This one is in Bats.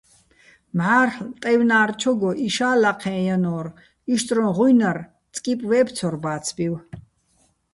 მჵარ'ლ ტაჲვნა́რჩოგო იშა́ ლაჴეჼ ჲანო́რ, იშტრუჼ ღუჲნარ წკიპო̆ ვე́ბცორ ბაცბივ.